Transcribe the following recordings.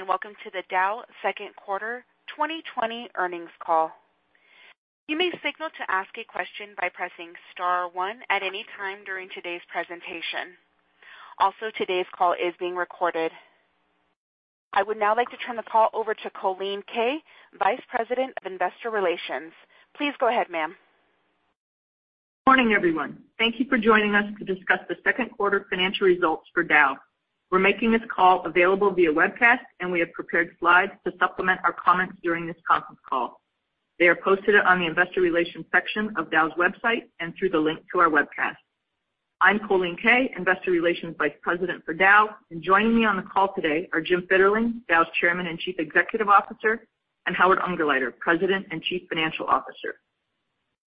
Good day, and welcome to the Dow second quarter 2020 earnings call. You may signal to ask a question by pressing star one at any time during today's presentation. Also, today's call is being recorded. I would now like to turn the call over to Colleen Kay, Vice President of Investor Relations. Please go ahead, ma'am. Morning, everyone. Thank you for joining us to discuss the second quarter financial results for Dow. We're making this call available via webcast, and we have prepared slides to supplement our comments during this conference call. They are posted on the Investor Relations section of Dow's website and through the link to our webcast. I'm Colleen Kay, Investor Relations Vice President for Dow, and joining me on the call today are Jim Fitterling, Dow's Chairman and Chief Executive Officer, and Howard Ungerleider, President and Chief Financial Officer.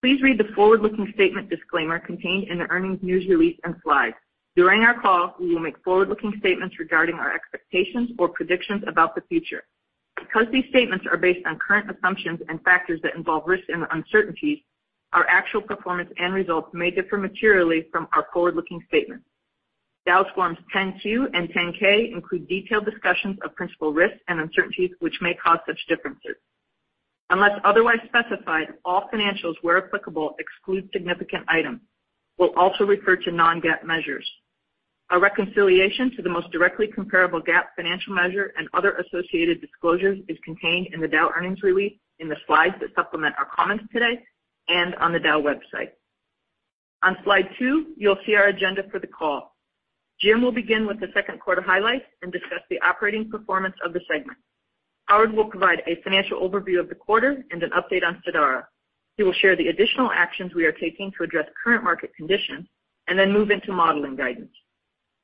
Please read the forward-looking statement disclaimer contained in the earnings news release and slides. During our call, we will make forward-looking statements regarding our expectations or predictions about the future. Because these statements are based on current assumptions and factors that involve risks and uncertainties, our actual performance and results may differ materially from our forward-looking statements. Dow's forms 10-Q and 10-K include detailed discussions of principal risks and uncertainties, which may cause such differences. Unless otherwise specified, all financials where applicable exclude significant items. We'll also refer to non-GAAP measures. A reconciliation to the most directly comparable GAAP financial measure and other associated disclosures is contained in the Dow earnings release, in the slides that supplement our comments today, and on the Dow website. On slide two, you'll see our agenda for the call. Jim will begin with the second quarter highlights and discuss the operating performance of the segment. Howard will provide a financial overview of the quarter and an update on Sadara. He will share the additional actions we are taking to address current market conditions and then move into modeling guidance.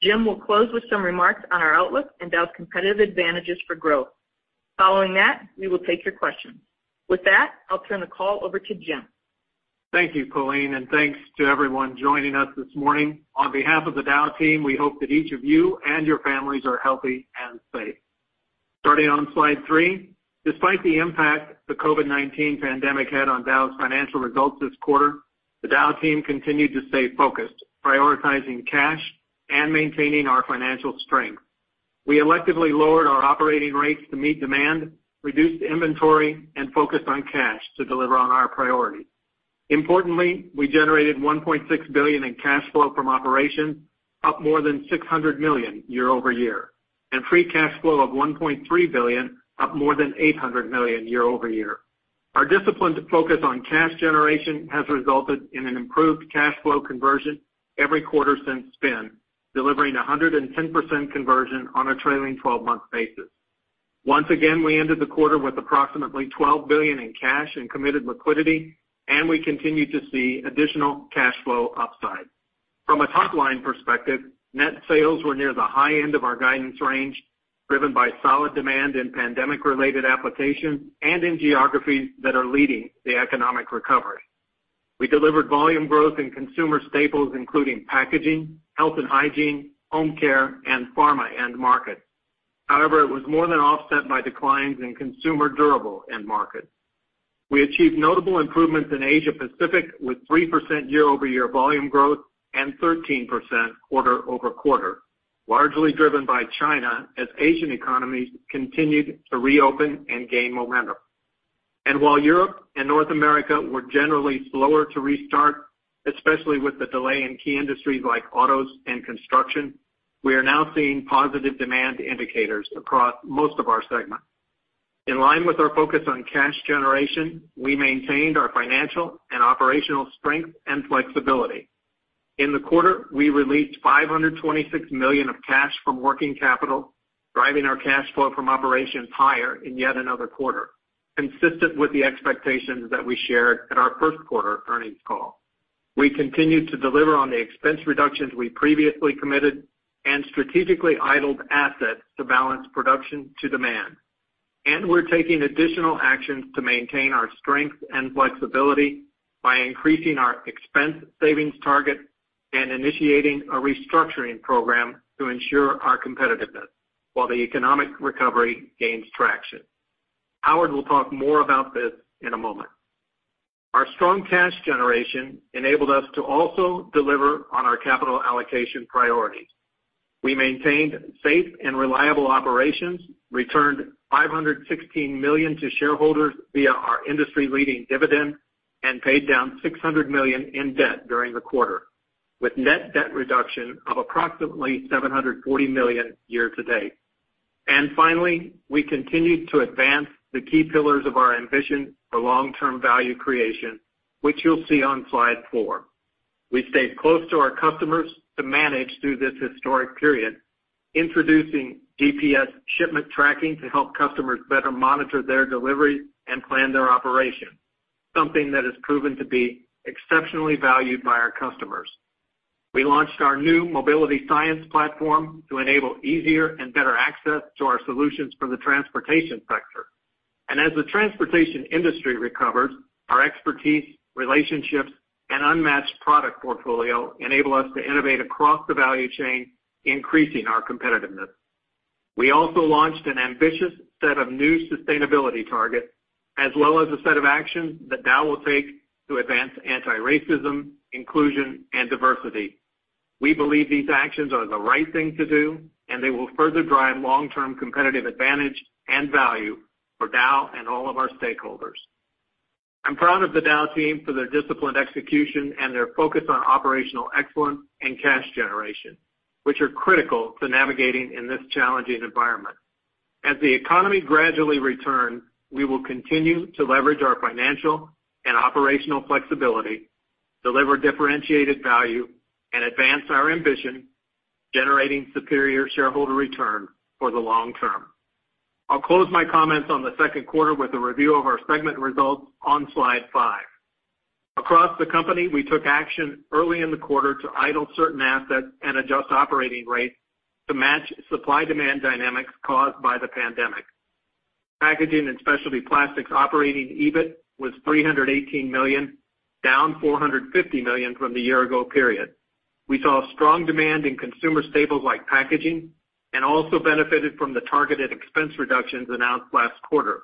Jim will close with some remarks on our outlook and Dow's competitive advantages for growth. Following that, we will take your questions. With that, I'll turn the call over to Jim. Thank you, Colleen. Thanks to everyone joining us this morning. On behalf of the Dow team, we hope that each of you and your families are healthy and safe. Starting on slide three, despite the impact the COVID-19 pandemic had on Dow's financial results this quarter, the Dow team continued to stay focused, prioritizing cash and maintaining our financial strength. We electively lowered our operating rates to meet demand, reduced inventory, and focused on cash to deliver on our priorities. Importantly, we generated $1.6 billion in cash flow from operations, up more than $600 million year-over-year, and free cash flow of $1.3 billion, up more than $800 million year-over-year. Our discipline to focus on cash generation has resulted in an improved cash flow conversion every quarter since spin, delivering 110% conversion on a trailing 12-month basis. Once again, we ended the quarter with approximately $12 billion in cash and committed liquidity, and we continue to see additional cash flow upside. From a top-line perspective, net sales were near the high end of our guidance range, driven by solid demand in pandemic-related applications and in geographies that are leading the economic recovery. We delivered volume growth in consumer staples, including packaging, health and hygiene, home care, and pharma end markets. However, it was more than offset by declines in consumer durable end markets. We achieved notable improvements in Asia Pacific with 3% year-over-year volume growth and 13% quarter-over-quarter, largely driven by China as Asian economies continued to reopen and gain momentum. While Europe and North America were generally slower to restart, especially with the delay in key industries like autos and construction, we are now seeing positive demand indicators across most of our segments. In line with our focus on cash generation, we maintained our financial and operational strength and flexibility. In the quarter, we released $526 million of cash from working capital, driving our cash flow from operations higher in yet another quarter, consistent with the expectations that we shared at our first quarter earnings call. We continued to deliver on the expense reductions we previously committed and strategically idled assets to balance production to demand. We're taking additional actions to maintain our strength and flexibility by increasing our expense savings target and initiating a restructuring program to ensure our competitiveness while the economic recovery gains traction. Howard will talk more about this in a moment. Our strong cash generation enabled us to also deliver on our capital allocation priorities. We maintained safe and reliable operations, returned $516 million to shareholders via our industry-leading dividend, and paid down $600 million in debt during the quarter, with net debt reduction of approximately $740 million year to date. Finally, we continued to advance the key pillars of our ambition for long-term value creation, which you'll see on slide four. We stayed close to our customers to manage through this historic period, introducing GPS shipment tracking to help customers better monitor their deliveries and plan their operation, something that has proven to be exceptionally valued by our customers. We launched our new MobilityScience platform to enable easier and better access to our solutions for the transportation sector. As the transportation industry recovers, our expertise, relationships, and unmatched product portfolio enable us to innovate across the value chain, increasing our competitiveness. We also launched an ambitious set of new sustainability targets, as well as a set of actions that Dow will take to advance anti-racism, inclusion, and diversity. We believe these actions are the right thing to do, and they will further drive long-term competitive advantage and value for Dow and all of our stakeholders. I'm proud of the Dow team for their disciplined execution and their focus on operational excellence and cash generation, which are critical to navigating in this challenging environment. As the economy gradually returns, we will continue to leverage our financial and operational flexibility, deliver differentiated value, and advance our ambition, generating superior shareholder return for the long term. I'll close my comments on the second quarter with a review of our segment results on Slide five. Across the company, we took action early in the quarter to idle certain assets and adjust operating rates to match supply-demand dynamics caused by the pandemic. Packaging & Specialty Plastics operating EBIT was $318 million, down $450 million from the year ago period. We saw strong demand in consumer staples like packaging and also benefited from the targeted expense reductions announced last quarter.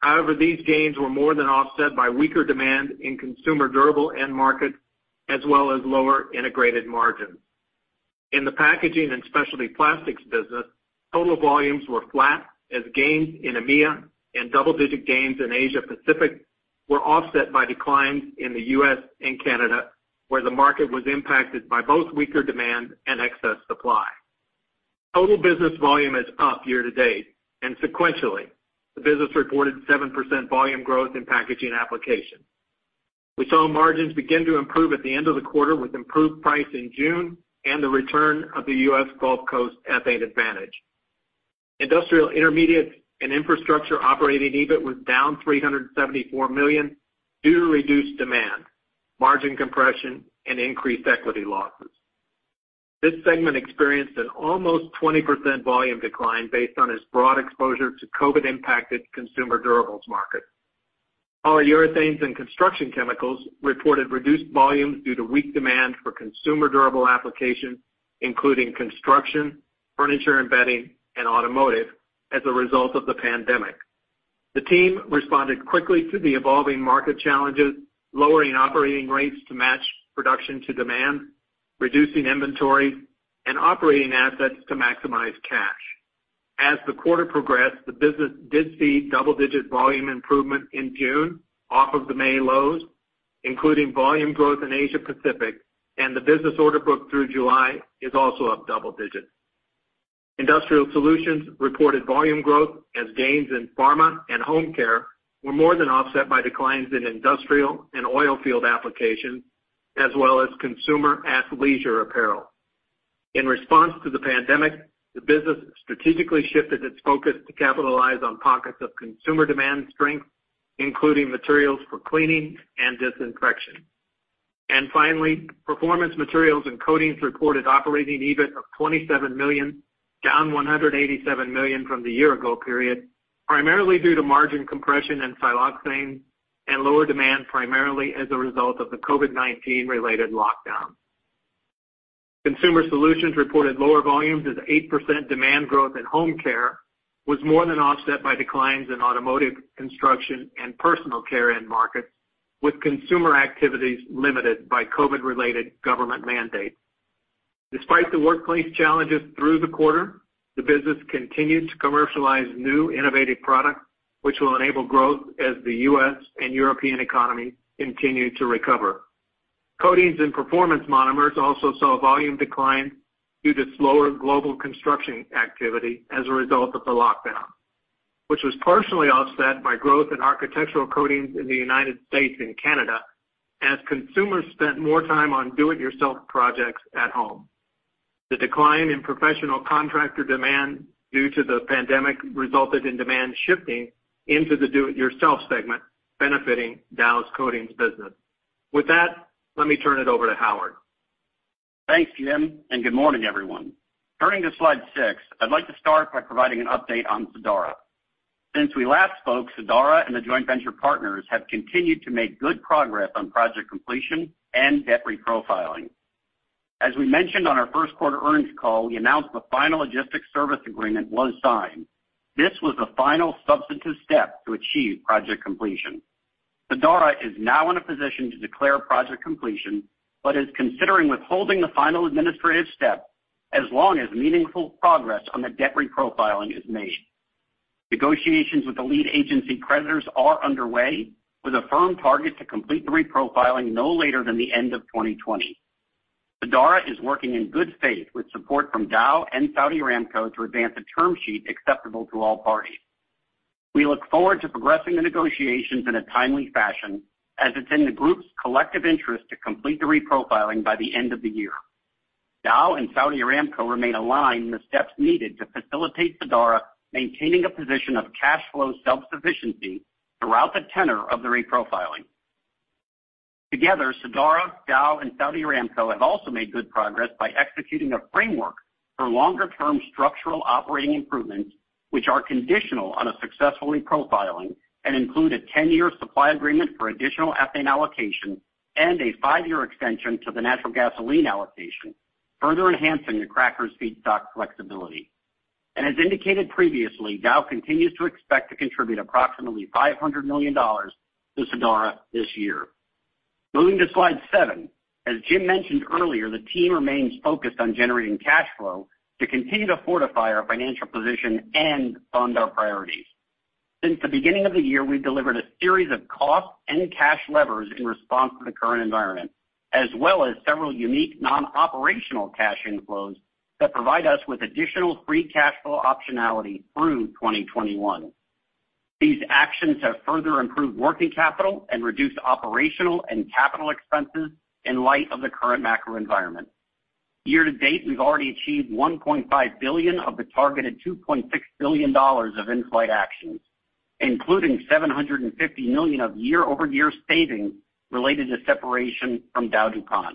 However, these gains were more than offset by weaker demand in consumer durable end markets, as well as lower integrated margins. In the Packaging & Specialty Plastics business, total volumes were flat as gains in EMEA and double-digit gains in Asia Pacific were offset by declines in the U.S. and Canada, where the market was impacted by both weaker demand and excess supply. Total business volume is up year to date and sequentially. The business reported 7% volume growth in packaging application. We saw margins begin to improve at the end of the quarter with improved price in June and the return of the U.S. Gulf Coast ethane advantage. Industrial Intermediates & Infrastructure operating EBIT was down $374 million due to reduced demand, margin compression, and increased equity losses. This segment experienced an almost 20% volume decline based on its broad exposure to COVID-19 impacted consumer durables markets. Polyurethanes and construction chemicals reported reduced volumes due to weak demand for consumer durable applications, including construction, furniture and bedding, and automotive as a result of the pandemic. The team responded quickly to the evolving market challenges, lowering operating rates to match production to demand, reducing inventory and operating assets to maximize cash. As the quarter progressed, the business did see double-digit volume improvement in June off of the May lows, including volume growth in Asia Pacific, and the business order book through July is also up double digits. Industrial Solutions reported volume growth as gains in pharma and home care were more than offset by declines in industrial and oil field applications, as well as consumer athleisure apparel. In response to the pandemic, the business strategically shifted its focus to capitalize on pockets of consumer demand strength, including materials for cleaning and disinfection. Finally, Performance Materials & Coatings reported operating EBIT of $27 million, down $187 million from the year ago period, primarily due to margin compression in siloxane and lower demand primarily as a result of the COVID-19 related lockdowns. Consumer Solutions reported lower volumes as 8% demand growth in home care was more than offset by declines in automotive, construction, and personal care end markets, with consumer activities limited by COVID-19 related government mandates. Despite the workplace challenges through the quarter, the business continued to commercialize new innovative products, which will enable growth as the U.S. and European economies continue to recover. Coatings and performance monomers also saw volume decline due to slower global construction activity as a result of the lockdown, which was partially offset by growth in architectural coatings in the United States and Canada as consumers spent more time on do-it-yourself projects at home. The decline in professional contractor demand due to the pandemic resulted in demand shifting into the do-it-yourself segment, benefiting Dow's coatings business. With that, let me turn it over to Howard. Thanks, Jim, and good morning, everyone. Turning to Slide six, I'd like to start by providing an update on Sadara. Since we last spoke, Sadara and the joint venture partners have continued to make good progress on project completion and debt reprofiling. As we mentioned on our first quarter earnings call, we announced the final logistics service agreement was signed. This was the final substantive step to achieve project completion. Sadara is now in a position to declare project completion but is considering withholding the final administrative step as long as meaningful progress on the debt reprofiling is made. Negotiations with the lead agency creditors are underway with a firm target to complete the reprofiling no later than the end of 2020. Sadara is working in good faith with support from Dow and Saudi Aramco to advance a term sheet acceptable to all parties. We look forward to progressing the negotiations in a timely fashion, as it's in the group's collective interest to complete the reprofiling by the end of the year. Dow and Saudi Aramco remain aligned in the steps needed to facilitate Sadara maintaining a position of cash flow self-sufficiency throughout the tenor of the reprofiling. Together, Sadara, Dow, and Saudi Aramco have also made good progress by executing a framework for longer term structural operating improvements, which are conditional on a successful reprofiling and include a 10-year supply agreement for additional ethane allocation and a five-year extension to the natural gasoline allocation, further enhancing the cracker feedstock flexibility. As indicated previously, Dow continues to expect to contribute approximately $500 million to Sadara this year. Moving to slide seven. As Jim mentioned earlier, the team remains focused on generating cash flow to continue to fortify our financial position and fund our priorities. Since the beginning of the year, we've delivered a series of cost and cash levers in response to the current environment, as well as several unique non-operational cash inflows that provide us with additional free cash flow optionality through 2021. These actions have further improved working capital and reduced operational and capital expenses in light of the current macro environment. Year to date, we've already achieved $1.5 billion of the targeted $2.6 billion of in-flight actions, including $750 million of year-over-year savings related to separation from DowDuPont.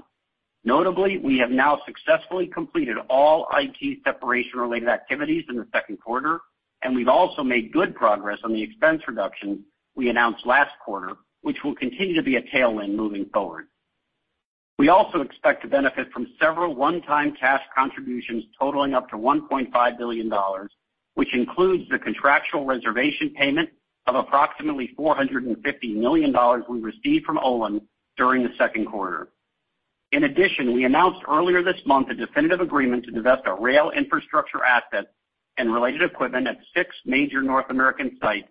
Notably, we have now successfully completed all IT separation related activities in the second quarter, and we've also made good progress on the expense reduction we announced last quarter, which will continue to be a tailwind moving forward. We also expect to benefit from several one-time cash contributions totaling up to $1.5 billion, which includes the contractual reservation payment of approximately $450 million we received from Olin during the second quarter. We announced earlier this month a definitive agreement to divest our rail infrastructure assets and related equipment at six major North American sites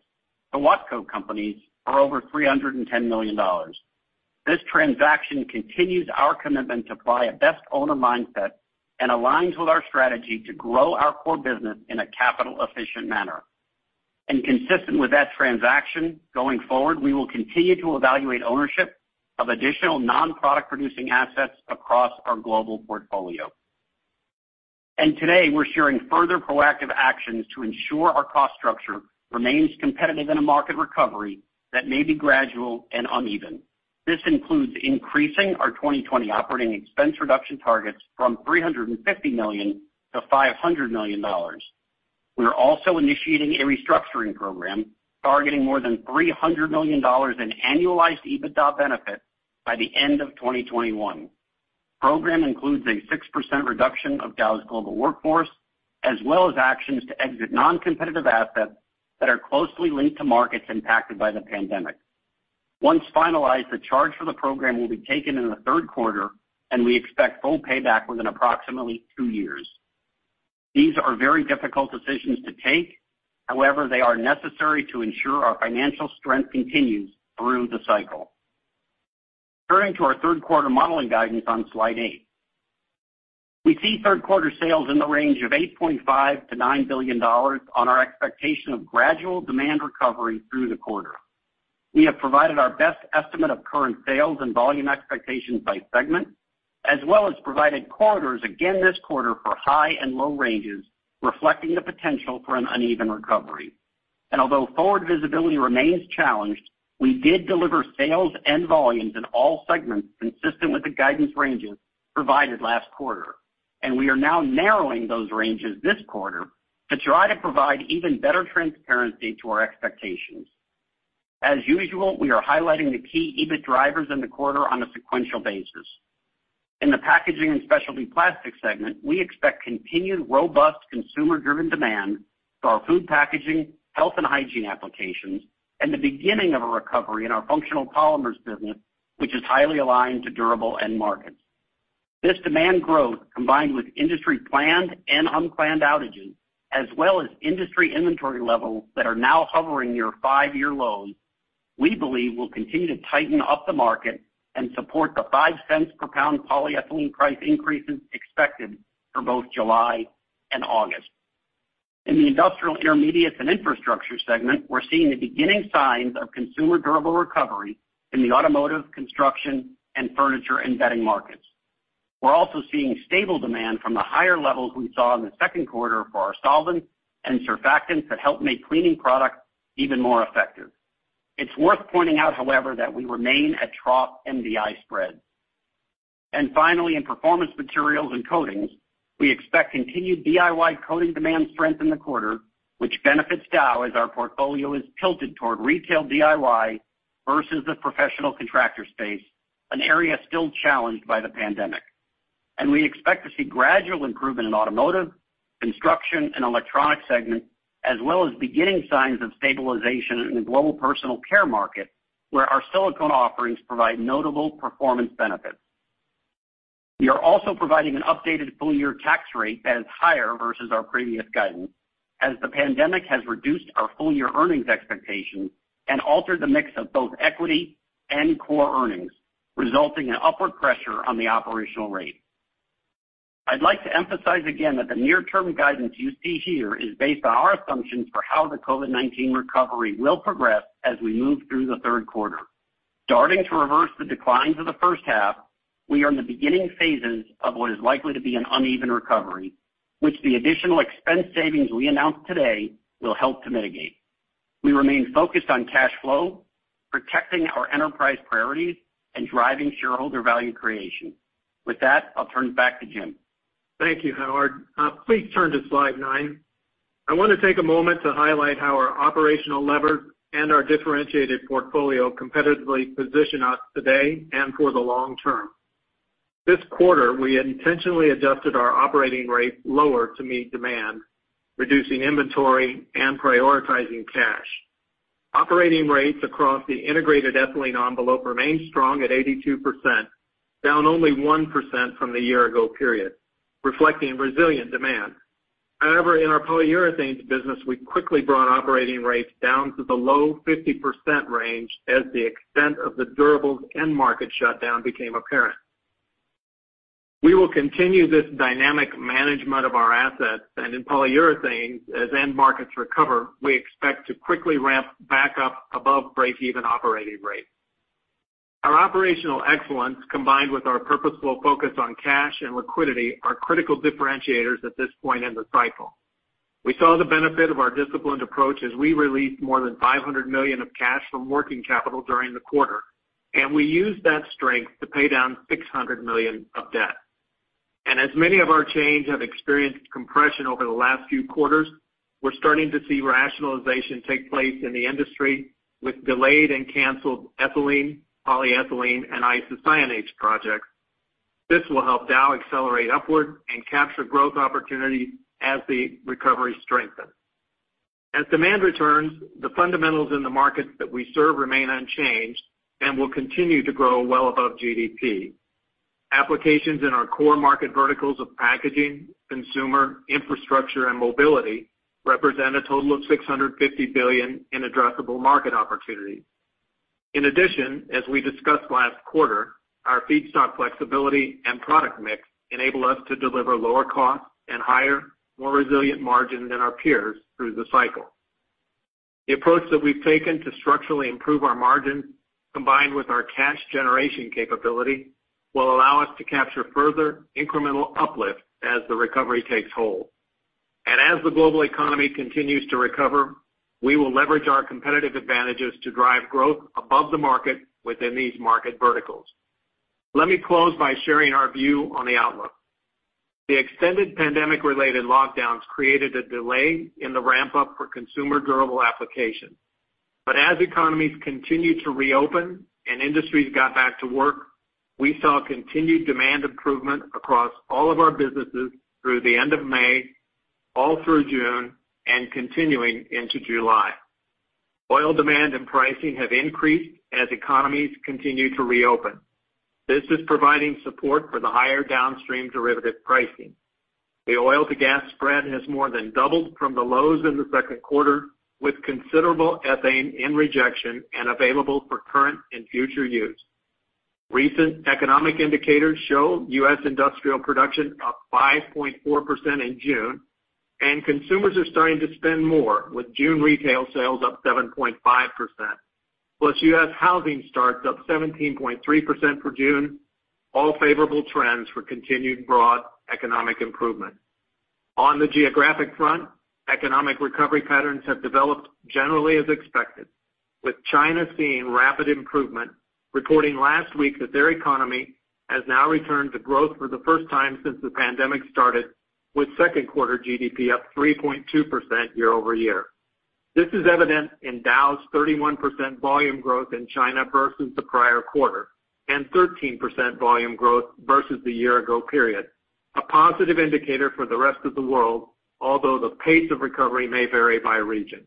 to Watco Companies for over $310 million. This transaction continues our commitment to apply a best owner mindset and aligns with our strategy to grow our core business in a capital efficient manner. Consistent with that transaction, going forward, we will continue to evaluate ownership of additional non-product producing assets across our global portfolio. Today, we're sharing further proactive actions to ensure our cost structure remains competitive in a market recovery that may be gradual and uneven. This includes increasing our 2020 OpEx reduction targets from $350 million-$500 million. We are also initiating a restructuring program targeting more than $300 million in annualized EBITDA benefit by the end of 2021. Program includes a 6% reduction of Dow's global workforce, as well as actions to exit non-competitive assets that are closely linked to markets impacted by the pandemic. Once finalized, the charge for the program will be taken in the third quarter, and we expect full payback within approximately two years. These are very difficult decisions to take. They are necessary to ensure our financial strength continues through the cycle. Turning to our third quarter modeling guidance on slide eight. We see third quarter sales in the range of $8.5 billion-$9 billion on our expectation of gradual demand recovery through the quarter. We have provided our best estimate of current sales and volume expectations by segment, as well as provided corridors again this quarter for high and low ranges, reflecting the potential for an uneven recovery. Although forward visibility remains challenged, we did deliver sales and volumes in all segments consistent with the guidance ranges provided last quarter, and we are now narrowing those ranges this quarter to try to provide even better transparency to our expectations. As usual, we are highlighting the key EBIT drivers in the quarter on a sequential basis. In the Packaging & Specialty Plastics segment, we expect continued robust consumer-driven demand for our food packaging, health and hygiene applications, and the beginning of a recovery in our functional polymers business, which is highly aligned to durable end markets. This demand growth, combined with industry planned and unplanned outages, as well as industry inventory levels that are now hovering near five-year lows, we believe will continue to tighten up the market and support the $0.05 per pound polyethylene price increases expected for both July and August. In the Industrial Intermediates & Infrastructure segment, we're seeing the beginning signs of consumer durable recovery in the automotive, construction, and furniture and bedding markets. We're also seeing stable demand from the higher levels we saw in the second quarter for our solvents and surfactants that help make cleaning products even more effective. It's worth pointing out, however, that we remain at trough MDI spreads. Finally, in Performance Materials & Coatings, we expect continued DIY coating demand strength in the quarter, which benefits Dow as our portfolio is tilted toward retail DIY versus the professional contractor space, an area still challenged by the pandemic. We expect to see gradual improvement in automotive, construction, and electronic segments, as well as beginning signs of stabilization in the global personal care market, where our silicone offerings provide notable performance benefits. We are also providing an updated full year tax rate that is higher versus our previous guidance, as the pandemic has reduced our full year earnings expectations and altered the mix of both equity and core earnings, resulting in upward pressure on the operational rate. I'd like to emphasize again that the near term guidance you see here is based on our assumptions for how the COVID-19 recovery will progress as we move through the third quarter. Starting to reverse the declines of the first half, we are in the beginning phases of what is likely to be an uneven recovery, which the additional expense savings we announced today will help to mitigate. We remain focused on cash flow, protecting our enterprise priorities, and driving shareholder value creation. With that, I'll turn it back to Jim. Thank you, Howard. Please turn to slide nine. I want to take a moment to highlight how our operational leverage and our differentiated portfolio competitively position us today and for the long term. This quarter, we intentionally adjusted our operating rate lower to meet demand, reducing inventory and prioritizing cash. Operating rates across the integrated ethylene envelope remain strong at 82%, down only 1% from the year ago period, reflecting resilient demand. However, in our polyurethanes business, we quickly brought operating rates down to the low 50% range as the extent of the durables end market shutdown became apparent. We will continue this dynamic management of our assets, and in polyurethanes, as end markets recover, we expect to quickly ramp back up above breakeven operating rate. Our operational excellence, combined with our purposeful focus on cash and liquidity, are critical differentiators at this point in the cycle. We saw the benefit of our disciplined approach as we released more than $500 million of cash from working capital during the quarter. We used that strength to pay down $600 million of debt. As many of our chains have experienced compression over the last few quarters, we're starting to see rationalization take place in the industry with delayed and canceled ethylene, polyethylene, and isocyanates projects. This will help Dow accelerate upward and capture growth opportunities as the recovery strengthens. As demand returns, the fundamentals in the markets that we serve remain unchanged and will continue to grow well above GDP. Applications in our core market verticals of packaging, consumer, infrastructure, and mobility represent a total of $650 billion in addressable market opportunities. In addition, as we discussed last quarter, our feedstock flexibility and product mix enable us to deliver lower cost and higher, more resilient margin than our peers through the cycle. The approach that we've taken to structurally improve our margin, combined with our cash generation capability, will allow us to capture further incremental uplift as the recovery takes hold. As the global economy continues to recover, we will leverage our competitive advantages to drive growth above the market within these market verticals. Let me close by sharing our view on the outlook. The extended pandemic-related lockdowns created a delay in the ramp-up for consumer durable applications. As economies continued to reopen and industries got back to work, we saw continued demand improvement across all of our businesses through the end of May, all through June, and continuing into July. Oil demand and pricing have increased as economies continue to reopen. This is providing support for the higher downstream derivative pricing. The oil to gas spread has more than doubled from the lows in the second quarter, with considerable ethane in rejection and available for current and future use. Recent economic indicators show U.S. industrial production up 5.4% in June, and consumers are starting to spend more, with June retail sales up 7.5%, plus U.S. housing starts up 17.3% for June, all favorable trends for continued broad economic improvement. On the geographic front, economic recovery patterns have developed generally as expected, with China seeing rapid improvement, reporting last week that their economy has now returned to growth for the first time since the pandemic started, with second quarter GDP up 3.2% year-over-year. This is evident in Dow's 31% volume growth in China versus the prior quarter and 13% volume growth versus the year ago period, a positive indicator for the rest of the world, although the pace of recovery may vary by region.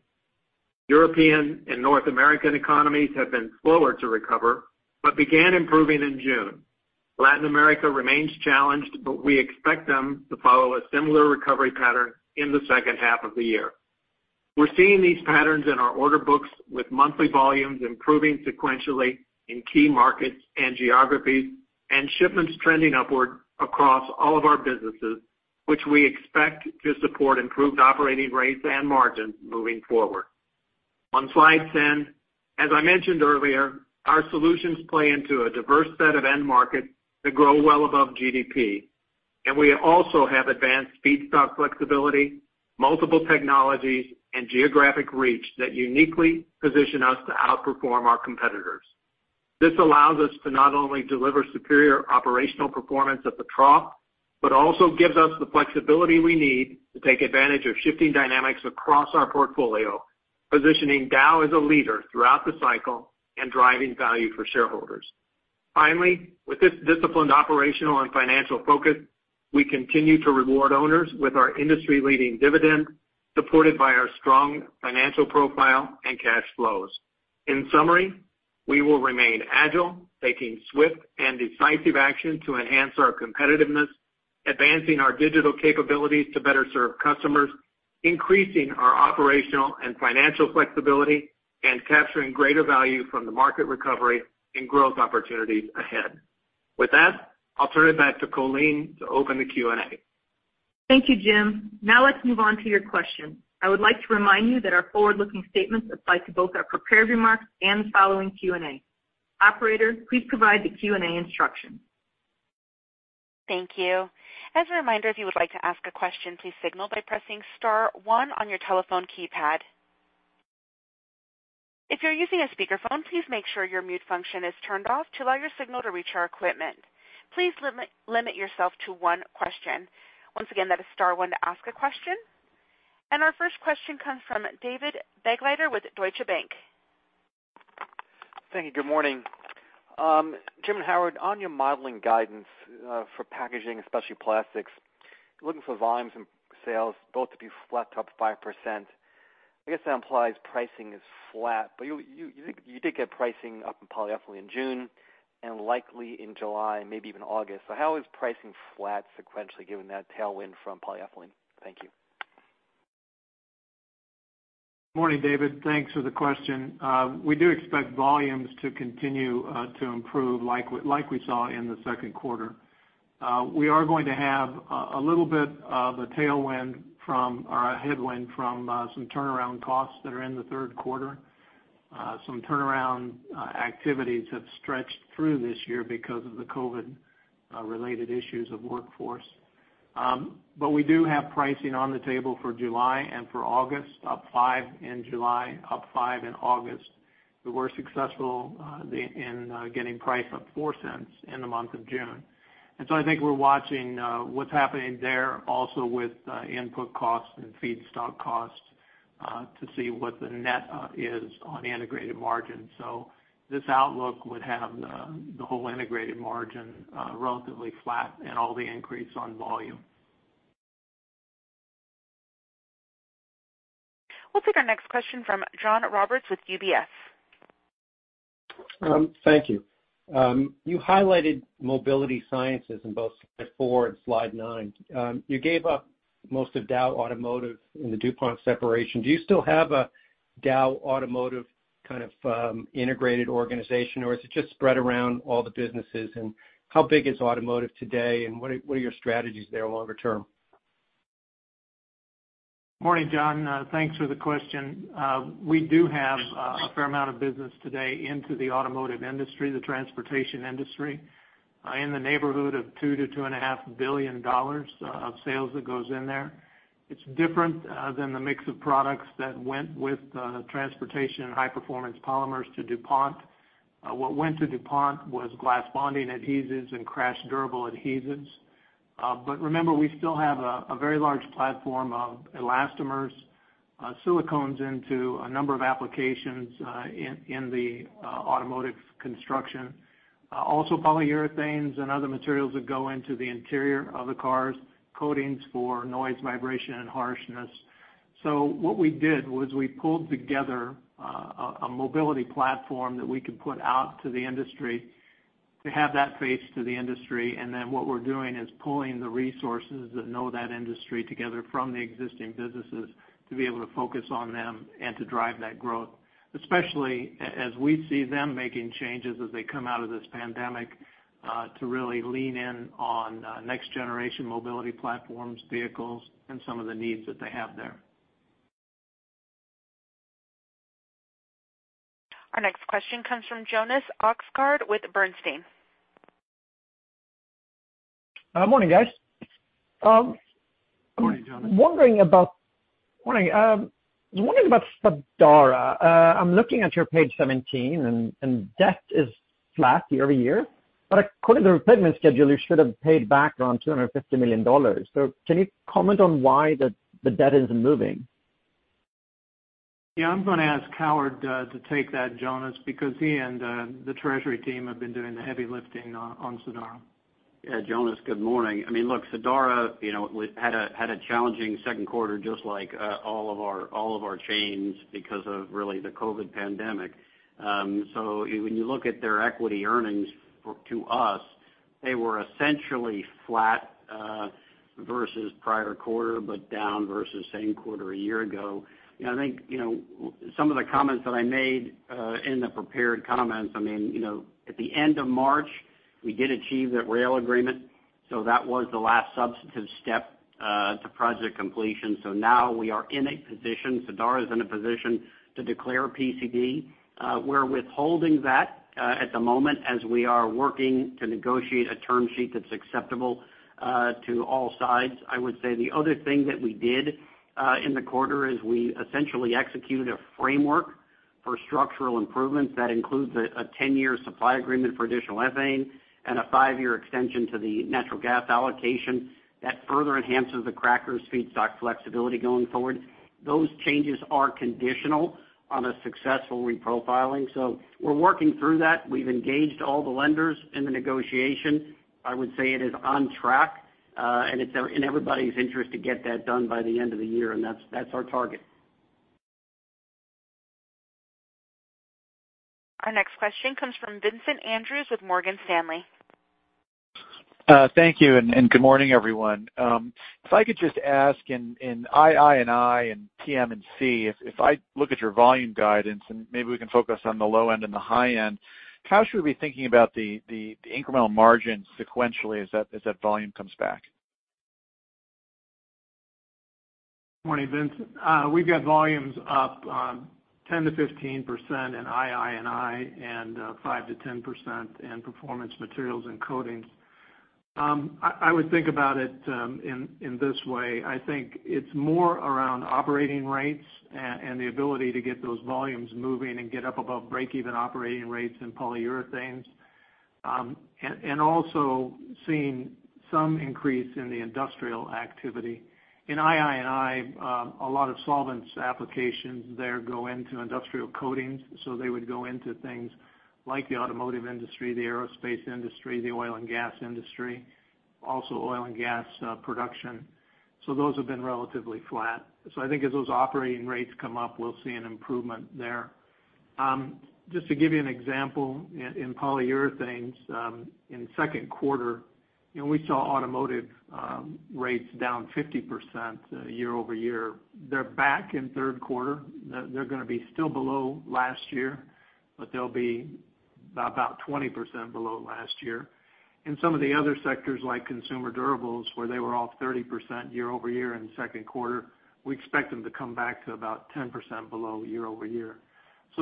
European and North American economies have been slower to recover, but began improving in June. Latin America remains challenged, but we expect them to follow a similar recovery pattern in the second half of the year. We're seeing these patterns in our order books, with monthly volumes improving sequentially in key markets and geographies, and shipments trending upward across all of our businesses, which we expect to support improved operating rates and margins moving forward. On slide 10, as I mentioned earlier, our solutions play into a diverse set of end markets that grow well above GDP, and we also have advanced feedstock flexibility, multiple technologies, and geographic reach that uniquely position us to outperform our competitors. This allows us to not only deliver superior operational performance at the trough, but also gives us the flexibility we need to take advantage of shifting dynamics across our portfolio, positioning Dow as a leader throughout the cycle and driving value for shareholders. Finally, with this disciplined operational and financial focus, we continue to reward owners with our industry-leading dividend, supported by our strong financial profile and cash flows. In summary, we will remain agile, taking swift and decisive action to enhance our competitiveness, advancing our digital capabilities to better serve customers, increasing our operational and financial flexibility, and capturing greater value from the market recovery and growth opportunities ahead. With that, I'll turn it back to Colleen to open the Q&A. Thank you, Jim. Now let's move on to your questions. I would like to remind you that our forward-looking statements apply to both our prepared remarks and the following Q&A. Operator, please provide the Q&A instructions. Thank you. As a reminder, if you would like to ask a question, please signal by pressing star one on your telephone keypad. If you're using a speakerphone, please make sure your mute function is turned off to allow your signal to reach our equipment. Please limit yourself to one question. Once again, that is star one to ask a question. Our first question comes from David Begleiter with Deutsche Bank. Thank you. Good morning. Jim and Howard, on your modeling guidance for Packaging & Specialty Plastics, looking for volumes and sales both to be flat to up 5%. I guess that implies pricing is flat, but you did get pricing up in polyethylene in June and likely in July, maybe even August. How is pricing flat sequentially given that tailwind from polyethylene? Thank you. Morning, David. Thanks for the question. We do expect volumes to continue to improve like we saw in the second quarter. We are going to have a little bit of a headwind from some turnaround costs that are in the third quarter. Some turnaround activities have stretched through this year because of the COVID-related issues of workforce. We do have pricing on the table for July and for August, up $0.05 in July, up $0.05 in August. We were successful in getting price up $0.04 in the month of June. I think we're watching what's happening there also with input costs and feedstock costs to see what the net is on integrated margin. This outlook would have the whole integrated margin relatively flat and all the increase on volume. We'll take our next question from John Roberts with UBS. Thank you. You highlighted MobilityScience in both slide four and slide nine. You gave up most of Dow Automotive in the DuPont separation. Do you still have a Dow Automotive kind of integrated organization, or is it just spread around all the businesses? How big is automotive today, and what are your strategies there longer term? Morning, John. Thanks for the question. We do have a fair amount of business today into the automotive industry, the transportation industry, in the neighborhood of $2 billion-$2.5 billion of sales that goes in there. It's different than the mix of products that went with transportation and high-performance polymers to DuPont. What went to DuPont was glass bonding adhesives and crash durable adhesives. Remember, we still have a very large platform of elastomers, silicones into a number of applications in the automotive construction. Also polyurethanes and other materials that go into the interior of the cars, coatings for noise, vibration, and harshness. What we did was we pulled together a Mobility platform that we could put out to the industry to have that face to the industry. What we're doing is pulling the resources that know that industry together from the existing businesses to be able to focus on them and to drive that growth, especially as we see them making changes as they come out of this pandemic to really lean in on next-generation mobility platforms, vehicles, and some of the needs that they have there. Our next question comes from Jonas Oxgaard with Bernstein. Morning, guys. Morning, Jonas. Morning. I'm wondering about Sadara. I'm looking at your page 17, debt is flat year-over-year. According to the repayment schedule, you should have paid back around $250 million. Can you comment on why the debt isn't moving? Yeah, I'm going to ask Howard to take that, Jonas, because he and the treasury team have been doing the heavy lifting on Sadara. Yeah, Jonas, good morning. Look, Sadara had a challenging second quarter just like all of our chains because of really the COVID pandemic. When you look at their equity earnings to us, they were essentially flat versus prior quarter, but down versus same quarter a year ago. I think some of the comments that I made in the prepared comments, at the end of March, we did achieve that rail agreement, so that was the last substantive step to project completion. Now we are in a position, Sadara's in a position to declare PCD. We're withholding that at the moment as we are working to negotiate a term sheet that's acceptable to all sides. I would say the other thing that we did in the quarter is we essentially executed a framework for structural improvements that includes a 10-year supply agreement for additional ethane and a five-year extension to the natural gas allocation that further enhances the cracker's feedstock flexibility going forward. Those changes are conditional on a successful reprofiling. We're working through that. We've engaged all the lenders in the negotiation. I would say it is on track, and it's in everybody's interest to get that done by the end of the year, and that's our target. Our next question comes from Vincent Andrews with Morgan Stanley. Thank you. Good morning, everyone. If I could just ask in II&I and PM&C, if I look at your volume guidance, and maybe we can focus on the low end and the high end, how should we be thinking about the incremental margin sequentially as that volume comes back? Morning, Vincent. We've got volumes up 10%-15% in II&I and 5%-10% in Performance Materials & Coatings. I would think about it in this way. I think it's more around operating rates and the ability to get those volumes moving and get up above breakeven operating rates in polyurethanes. Also seeing some increase in the industrial activity. In II&I, a lot of solvents applications there go into industrial coatings, so they would go into things like the automotive industry, the aerospace industry, the oil and gas industry, also oil and gas production. Those have been relatively flat. I think as those operating rates come up, we'll see an improvement there. Just to give you an example, in polyurethanes, in second quarter, we saw automotive rates down 50% year-over-year. They're back in third quarter. They're going to be still below last year, they'll be about 20% below last year. In some of the other sectors like consumer durables, where they were off 30% year-over-year in the second quarter, we expect them to come back to about 10% below year-over-year.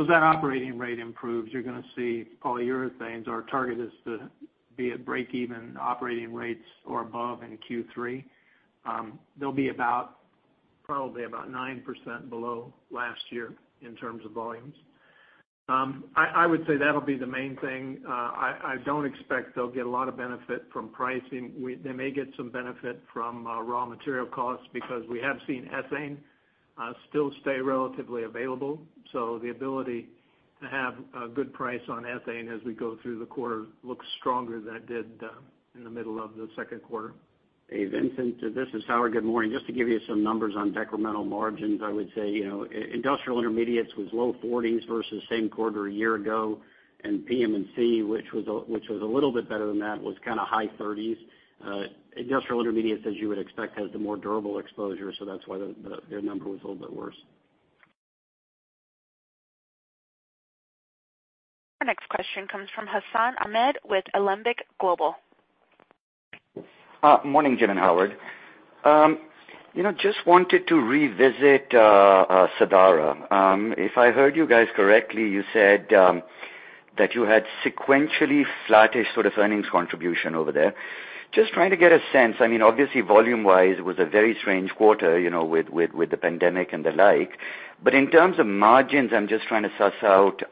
As that operating rate improves, you're going to see polyurethanes. Our target is to be at break-even operating rates or above in Q3. They'll be probably about 9% below last year in terms of volumes. I would say that'll be the main thing. I don't expect they'll get a lot of benefit from pricing. They may get some benefit from raw material costs because we have seen ethane still stay relatively available. The ability to have a good price on ethane as we go through the quarter looks stronger than it did in the middle of the second quarter. Hey, Vincent, this is Howard. Good morning. Just to give you some numbers on decremental margins, I would say, Industrial Intermediates was low 40s versus same quarter a year ago, and PM&C, which was a little bit better than that, was kind of high 30s. Industrial Intermediates, as you would expect, has the more durable exposure, so that's why their number was a little bit worse. Our next question comes from Hassan Ahmed with Alembic Global. Morning, Jim and Howard. Just wanted to revisit Sadara. If I heard you guys correctly, you said that you had sequentially flattish sort of earnings contribution over there. Just trying to get a sense. Obviously, volume wise, it was a very strange quarter with the pandemic and the like. In terms of margins, I'm just trying to suss out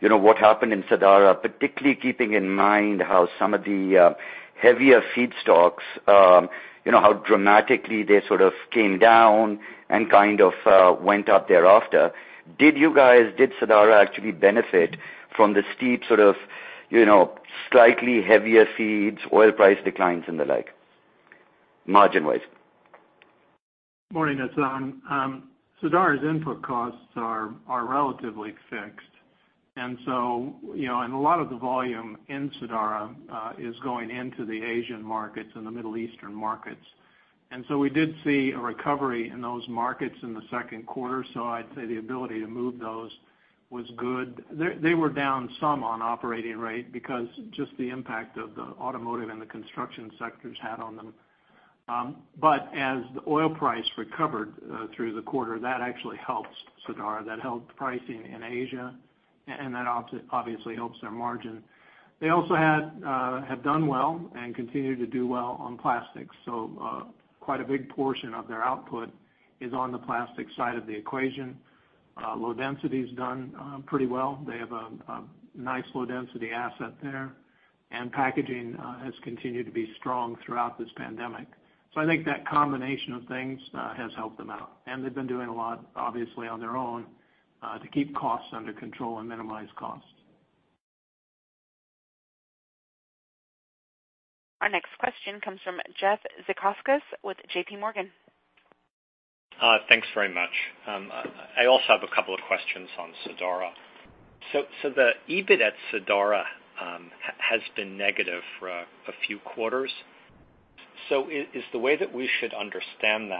what happened in Sadara, particularly keeping in mind how some of the heavier feedstocks, how dramatically they sort of came down and kind of went up thereafter. Did Sadara actually benefit from the steep sort of slightly heavier feeds, oil price declines, and the like, margin wise? Morning, Hassan. Sadara's input costs are relatively fixed. A lot of the volume in Sadara is going into the Asian markets and the Middle Eastern markets. We did see a recovery in those markets in the second quarter. I'd say the ability to move those was good. They were down some on operating rate because just the impact of the automotive and the construction sectors had on them. As the oil price recovered through the quarter, that actually helped Sadara. That helped pricing in Asia, and that obviously helps their margin. They also have done well and continue to do well on plastics. Quite a big portion of their output is on the plastic side of the equation. Low density's done pretty well. They have a nice low-density asset there. Packaging has continued to be strong throughout this pandemic. I think that combination of things has helped them out. They've been doing a lot, obviously, on their own to keep costs under control and minimize costs. Our next question comes from Jeff Zekauskas with JPMorgan. Thanks very much. I also have a couple of questions on Sadara. The EBIT at Sadara has been negative for a few quarters. Is the way that we should understand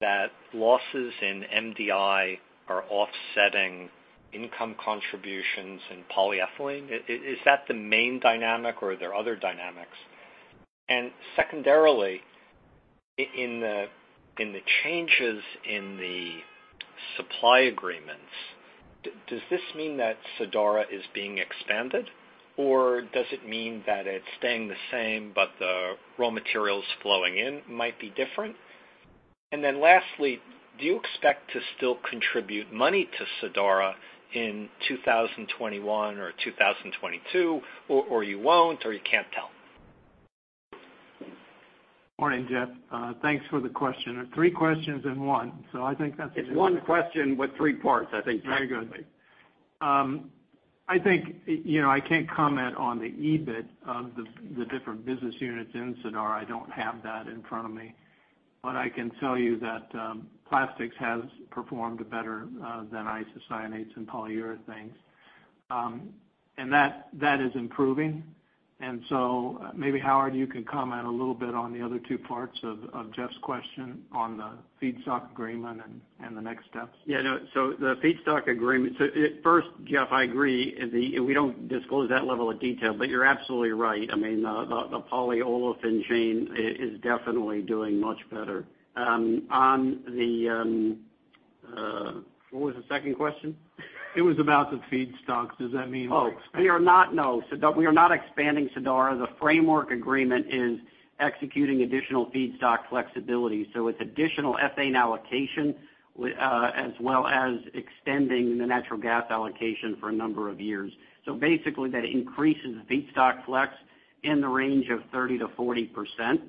that losses in MDI are offsetting income contributions in polyethylene? Is that the main dynamic, or are there other dynamics? Secondarily, in the changes in the supply agreements, does this mean that Sadara is being expanded, or does it mean that it's staying the same, but the raw materials flowing in might be different? Lastly, do you expect to still contribute money to Sadara in 2021 or 2022, or you won't, or you can't tell? Morning, Jeff. Thanks for the question. Three questions in one. I think that's- It's one question with three parts, I think. Very good. I think I can't comment on the EBIT of the different business units in Sadara. I don't have that in front of me. I can tell you that plastics has performed better than isocyanates and polyurethanes. That is improving. Maybe Howard, you can comment a little bit on the other two parts of Jeff's question on the feedstock agreement and the next steps. Yeah. The feedstock agreement. First, Jeff, I agree. We don't disclose that level of detail, but you're absolutely right. The polyolefin chain is definitely doing much better. What was the second question? It was about the feedstocks. Does that mean you're expanding? We are not, no. We are not expanding Sadara. The framework agreement is executing additional feedstock flexibility, so it's additional ethane allocation, as well as extending the natural gas allocation for a number of years. Basically, that increases feedstock flex in the range of 30%-40%,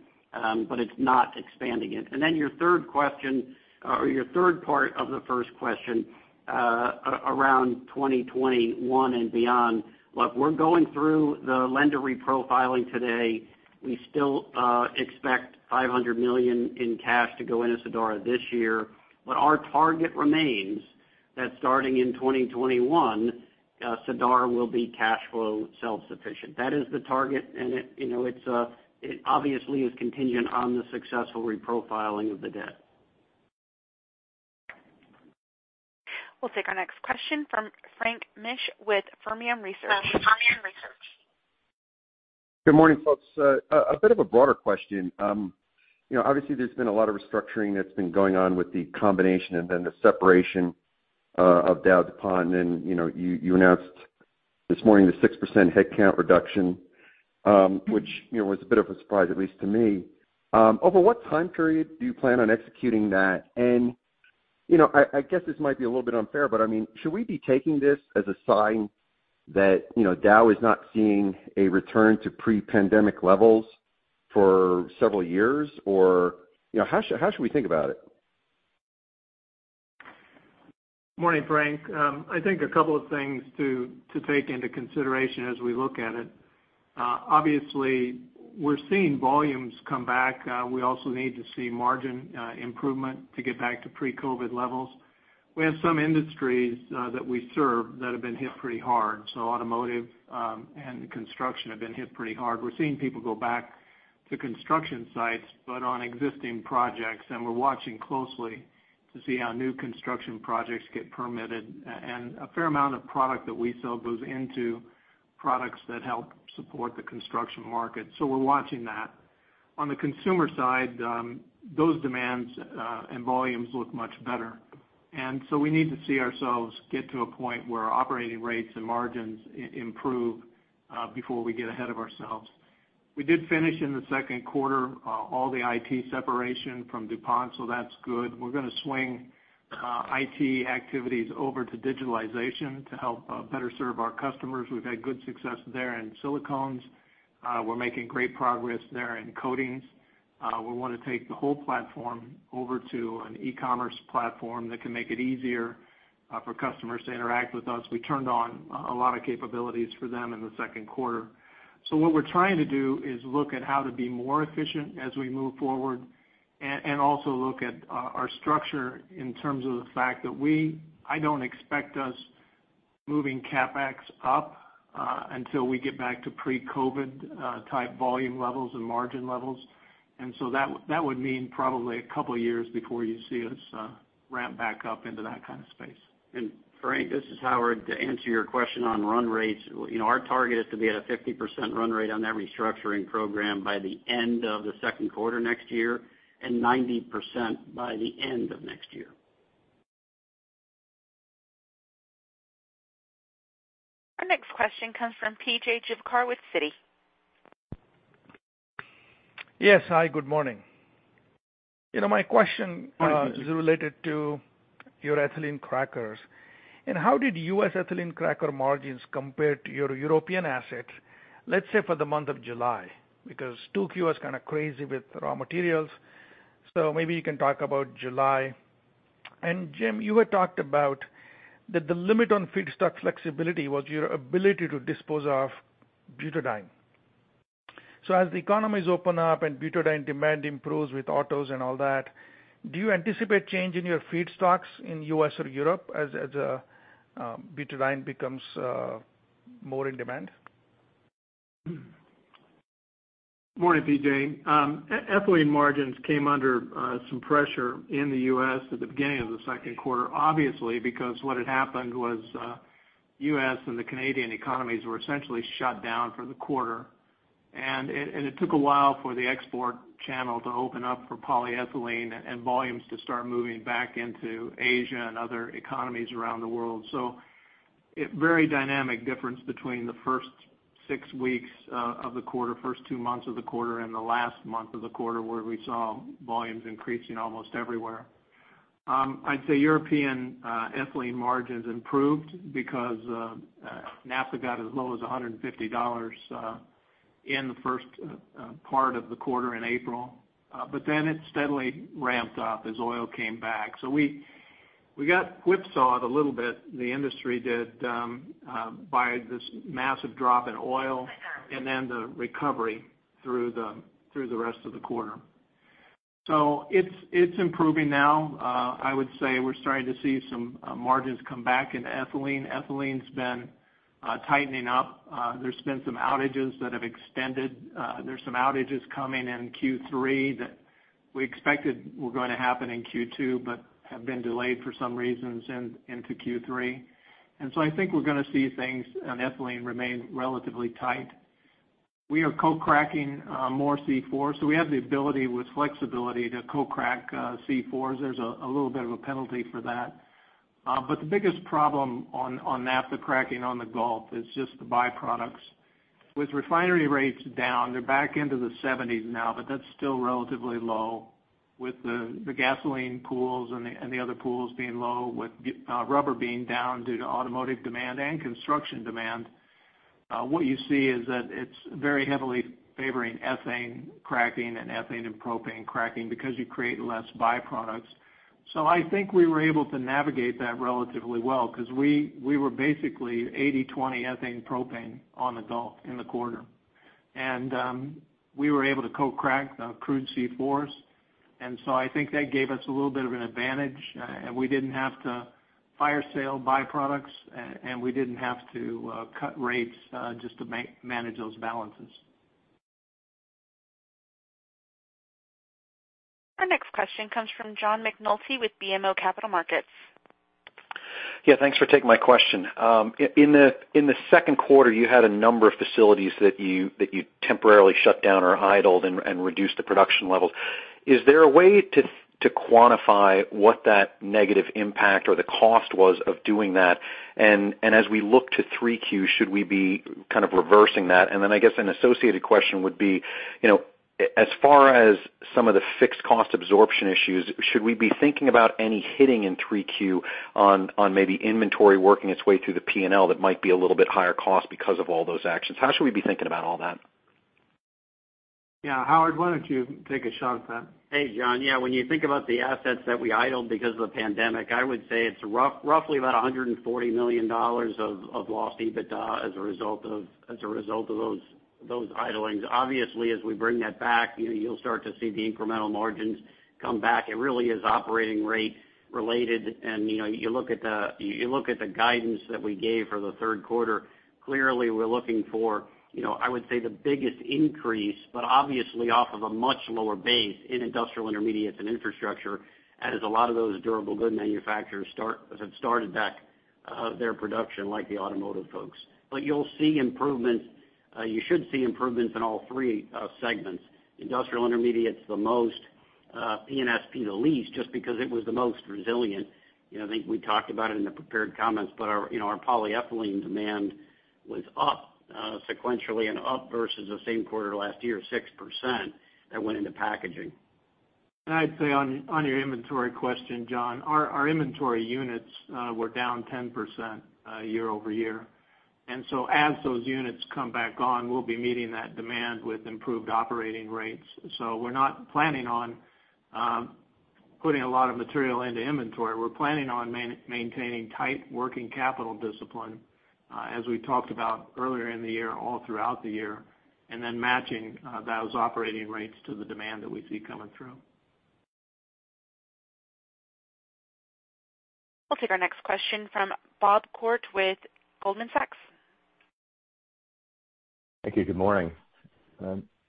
but it's not expanding it. Your third question or your third part of the first question, around 2021 and beyond. Look, we're going through the lender reprofiling today. We still expect $500 million in cash to go into Sadara this year. Our target remains that starting in 2021, Sadara will be cash flow self-sufficient. That is the target, and it obviously is contingent on the successful reprofiling of the debt. We'll take our next question from Frank Mitsch with Fermium Research. Good morning, folks. A bit of a broader question. Obviously, there's been a lot of restructuring that's been going on with the combination and then the separation of DowDuPont. You announced this morning the 6% headcount reduction, which was a bit of a surprise, at least to me. Over what time period do you plan on executing that? I guess this might be a little bit unfair, but should we be taking this as a sign that Dow is not seeing a return to pre-pandemic levels for several years? How should we think about it? Morning, Frank. I think a couple of things to take into consideration as we look at it. Obviously, we're seeing volumes come back. We also need to see margin improvement to get back to pre-COVID levels. We have some industries that we serve that have been hit pretty hard. Automotive and construction have been hit pretty hard. We're seeing people go back to construction sites, but on existing projects, and we're watching closely to see how new construction projects get permitted. A fair amount of product that we sell goes into products that help support the construction market. We're watching that. On the consumer side, those demands and volumes look much better. We need to see ourselves get to a point where operating rates and margins improve before we get ahead of ourselves. We did finish in the second quarter all the IT separation from DuPont. That's good. We're going to swing IT activities over to digitalization to help better serve our customers. We've had good success there in silicones. We're making great progress there in coatings. We want to take the whole platform over to an e-commerce platform that can make it easier for customers to interact with us. We turned on a lot of capabilities for them in the second quarter. What we're trying to do is look at how to be more efficient as we move forward, and also look at our structure in terms of the fact that I don't expect us moving CapEx up until we get back to pre-COVID type volume levels and margin levels. That would mean probably a couple of years before you see us ramp back up into that kind of space. Frank, this is Howard. To answer your question on run rates, our target is to be at a 50% run rate on that restructuring program by the end of the second quarter next year, and 90% by the end of next year. Our next question comes from P.J. Juvekar with Citi. Yes. Hi, good morning. Morning, P.J. Is related to your ethylene crackers. How did U.S. ethylene cracker margins compare to your European assets, let's say, for the month of July? 2Q was kind of crazy with raw materials, maybe you can talk about July. Jim, you had talked about that the limit on feedstock flexibility was your ability to dispose of butadiene. As the economies open up and butadiene demand improves with autos and all that, do you anticipate change in your feedstocks in U.S. or Europe as butadiene becomes more in demand? Morning, P.J. ethylene margins came under some pressure in the U.S. at the beginning of the second quarter, obviously, because what had happened was the U.S. and the Canadian economies were essentially shut down for the quarter. It took a while for the export channel to open up for polyethylene and volumes to start moving back into Asia and other economies around the world. A very dynamic difference between the first six weeks of the quarter, first two months of the quarter, and the last month of the quarter, where we saw volumes increasing almost everywhere. I'd say European ethylene margins improved because naphtha got as low as $150 in the first part of the quarter in April. It steadily ramped up as oil came back. We got whipsawed a little bit, the industry did, by this massive drop in oil and then the recovery through the rest of the quarter. It's improving now. I would say we're starting to see some margins come back in ethylene. Ethylene's been tightening up. There's been some outages that have extended. There's some outages coming in Q3 that we expected were going to happen in Q2, but have been delayed for some reasons into Q3. I think we're going to see things on ethylene remain relatively tight. We are co-cracking more C4. We have the ability with flexibility to co-crack C4s. There's a little bit of a penalty for that. The biggest problem on naphtha cracking on the Gulf is just the byproducts. With refinery rates down, they're back into the 70s now, that's still relatively low with the gasoline pools and the other pools being low, with elastomers being down due to automotive demand and construction demand. What you see is that it's very heavily favoring ethane cracking and ethane and propane cracking because you create less byproducts. I think we were able to navigate that relatively well because we were basically 80/20 ethane propane on the Gulf in the quarter. We were able to co-crack crude C4s, I think that gave us a little bit of an advantage. We didn't have to fire sale byproducts, we didn't have to cut rates just to manage those balances. Our next question comes from John McNulty with BMO Capital Markets. Yeah. Thanks for taking my question. In the second quarter, you had a number of facilities that you temporarily shut down or idled and reduced the production levels. Is there a way to quantify what that negative impact or the cost was of doing that? As we look to 3Q, should we be kind of reversing that? Then I guess an associated question would be, as far as some of the fixed cost absorption issues, should we be thinking about any hitting in 3Q on maybe inventory working its way through the P&L that might be a little bit higher cost because of all those actions? How should we be thinking about all that? Yeah. Howard, why don't you take a shot at that? Hey, John. Yeah. When you think about the assets that we idled because of the pandemic, I would say it's roughly about $140 million of lost EBITDA as a result of those idlings. Obviously, as we bring that back, you'll start to see the incremental margins come back. It really is operating rate related. You look at the guidance that we gave for the third quarter. Clearly, we're looking for, I would say, the biggest increase, but obviously off of a much lower base in Industrial Intermediates and Infrastructure, as a lot of those durable goods manufacturers have started back their production, like the automotive folks. You should see improvements in all three segments. Industrial Intermediates the most, P&SP the least, just because it was the most resilient. I think we talked about it in the prepared comments, but our polyethylene demand was up sequentially and up versus the same quarter last year, 6%, that went into packaging. I'd say on your inventory question, John, our inventory units were down 10% year-over-year. As those units come back on, we'll be meeting that demand with improved operating rates. We're not planning on putting a lot of material into inventory. We're planning on maintaining tight working capital discipline as we talked about earlier in the year, all throughout the year, and then matching those operating rates to the demand that we see coming through. We'll take our next question from Bob Koort with Goldman Sachs. Thank you. Good morning.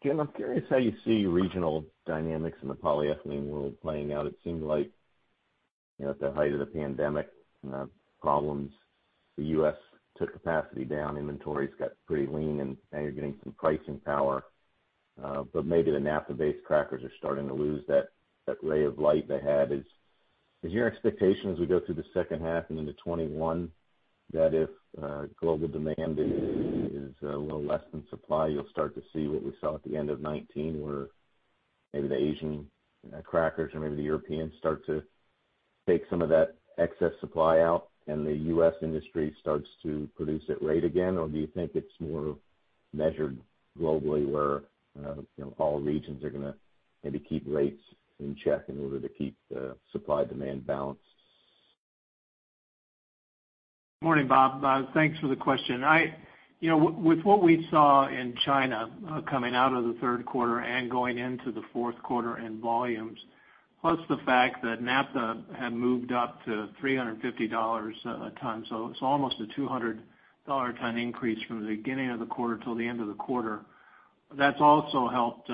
Jim, I'm curious how you see regional dynamics in the polyethylene world playing out. It seemed like at the height of the pandemic problems, the U.S. took capacity down, inventories got pretty lean, now you're getting some pricing power. Maybe the naphtha-based crackers are starting to lose that ray of light they had. Is your expectation as we go through the second half and into 2021, that if global demand is a little less than supply, you'll start to see what we saw at the end of 2019 where maybe the Asian crackers or maybe the Europeans start to take some of that excess supply out and the U.S. industry starts to produce at rate again? Do you think it's more measured globally where all regions are going to maybe keep rates in check in order to keep the supply-demand balance? Morning, Bob Koort. Thanks for the question. With what we saw in China coming out of the third quarter and going into the fourth quarter in volumes, plus the fact that naphtha had moved up to $350 a ton. It's almost a $200 a ton increase from the beginning of the quarter till the end of the quarter. That's also helped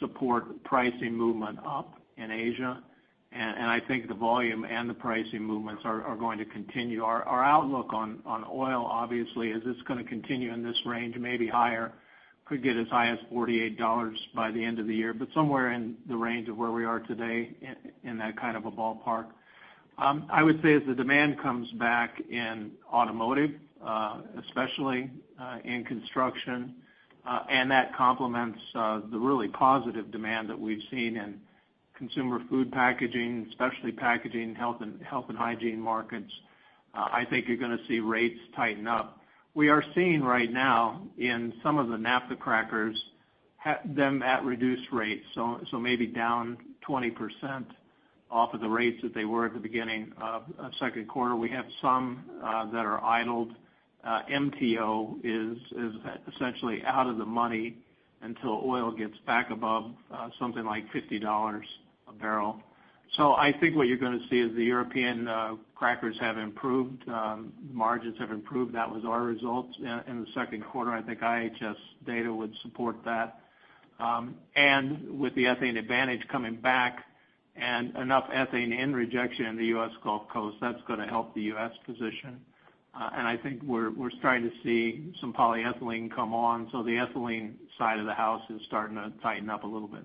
support pricing movement up in Asia, and I think the volume and the pricing movements are going to continue. Our outlook on oil obviously is it's going to continue in this range, maybe higher. Could get as high as $48 by the end of the year, but somewhere in the range of where we are today in that kind of a ballpark. I would say as the demand comes back in automotive especially, and construction, and that complements the really positive demand that we've seen in consumer food packaging, specialty packaging, health and hygiene markets, I think you're going to see rates tighten up. We are seeing right now in some of the naphtha crackers, them at reduced rates, so maybe down 20% off of the rates that they were at the beginning of second quarter. We have some that are idled. MTO is essentially out of the money until oil gets back above something like $50 a barrel. I think what you're going to see is the European crackers have improved, margins have improved. That was our results in the second quarter. I think IHS data would support that. With the ethane advantage coming back and enough ethane in rejection in the U.S. Gulf Coast, that's going to help the U.S. position. I think we're starting to see some polyethylene come on. The ethylene side of the house is starting to tighten up a little bit.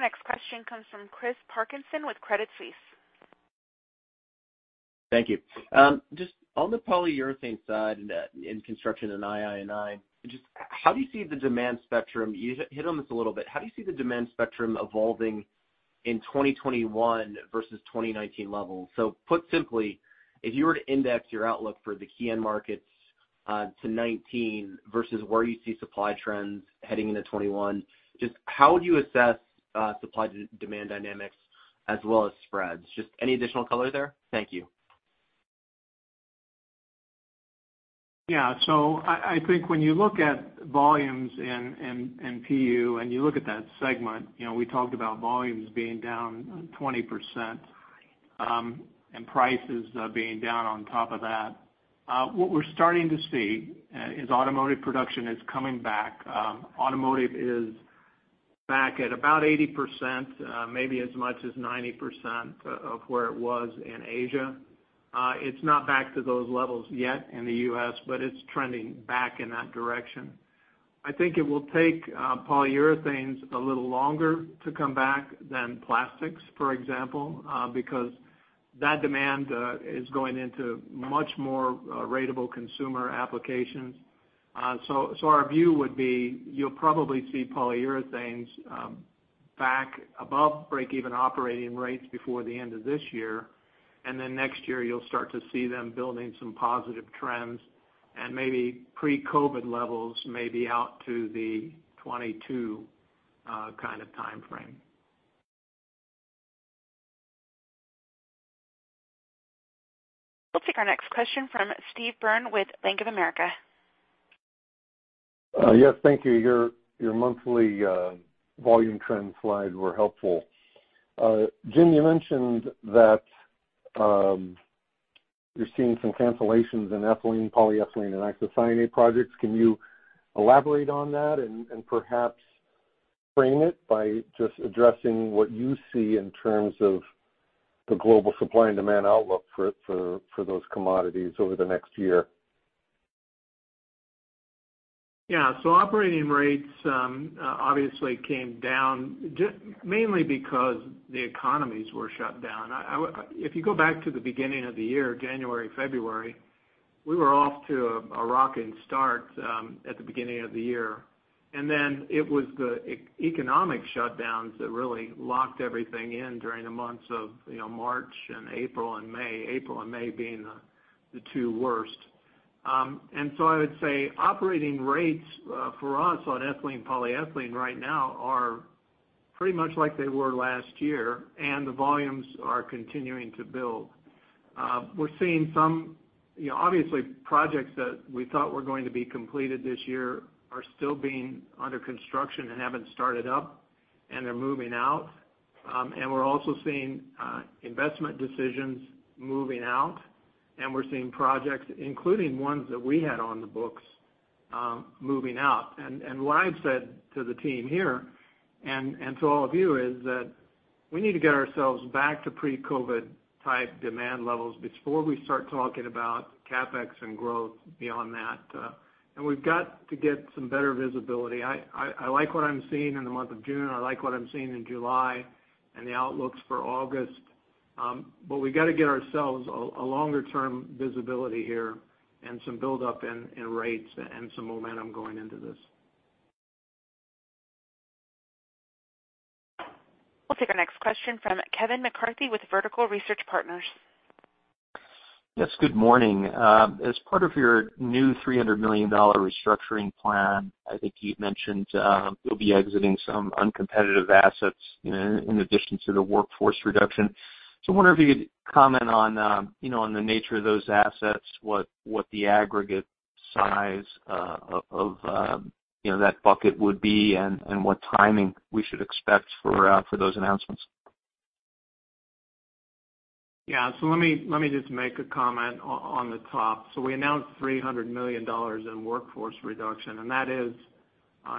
Our next question comes from Chris Parkinson with Credit Suisse. Thank you. Just on the polyurethane side in construction and II&I, you hit on this a little bit, how do you see the demand spectrum evolving in 2021 versus 2019 levels? Put simply, if you were to index your outlook for the key end markets to 2019 versus where you see supply trends heading into 2021, just how would you assess supply demand dynamics as well as spreads? Just any additional color there? Thank you. I think when you look at volumes in PU and you look at that segment, we talked about volumes being down 20% and prices being down on top of that. What we're starting to see is automotive production is coming back. Automotive is back at about 80%, maybe as much as 90% of where it was in Asia. It's not back to those levels yet in the U.S., but it's trending back in that direction. I think it will take polyurethanes a little longer to come back than plastics, for example because that demand is going into much more ratable consumer applications. Our view would be you'll probably see polyurethanes back above breakeven operating rates before the end of this year. Next year, you'll start to see them building some positive trends and maybe pre-COVID levels maybe out to the 2022 kind of timeframe. We'll take our next question from Steve Byrne with Bank of America. Yes. Thank you. Your monthly volume trend slide were helpful. Jim, you mentioned that you're seeing some cancellations in ethylene, polyethylene, and isocyanate projects. Can you elaborate on that and perhaps frame it by just addressing what you see in terms of the global supply and demand outlook for those commodities over the next year? Operating rates obviously came down mainly because the economies were shut down. If you go back to the beginning of the year, January, February, we were off to a rocking start at the beginning of the year. Then it was the economic shutdowns that really locked everything in during the months of March and April and May. April and May being the two worst. I would say operating rates for us on ethylene, polyethylene right now are pretty much like they were last year, and the volumes are continuing to build. Obviously, projects that we thought were going to be completed this year are still being under construction and haven't started up, and they're moving out. We're also seeing investment decisions moving out. We're seeing projects, including ones that we had on the books moving out. What I've said to the team here and to all of you is that we need to get ourselves back to pre-COVID type demand levels before we start talking about CapEx and growth beyond that. We've got to get some better visibility. I like what I'm seeing in the month of June. I like what I'm seeing in July and the outlooks for August. We got to get ourselves a longer-term visibility here and some buildup in rates and some momentum going into this. We'll take our next question from Kevin McCarthy with Vertical Research Partners. Yes. Good morning. As part of your new $300 million restructuring plan, I think you had mentioned you'll be exiting some uncompetitive assets in addition to the workforce reduction. I wonder if you could comment on the nature of those assets, what the aggregate size of that bucket would be and what timing we should expect for those announcements? Let me just make a comment on the top. We announced $300 million in workforce reduction, and that is